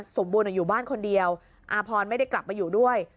สมบูรณ์อยู่บ้านคนเดียวอาพรไม่ได้กลับมาอยู่ด้วย